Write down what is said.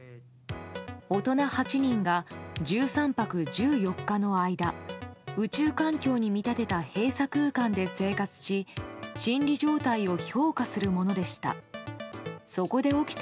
大人８人が１３泊１４日の間宇宙環境に見立てた閉鎖空間で生活し心理状態を評価するものでした。